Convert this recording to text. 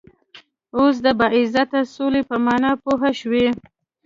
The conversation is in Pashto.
وس د باعزته سولی په معنا پوهه شوئ